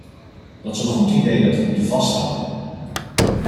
Dat is een goed idee dat we moeten vasthouden.